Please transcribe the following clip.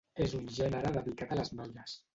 És un gènere dedicat a les noies.